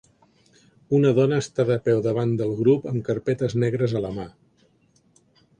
Una dona està de peu davant del grup amb carpetes negres a la mà.